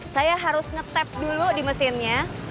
saya harus nge tap dulu di mesinnya